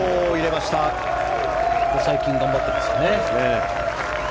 最近頑張ってますね。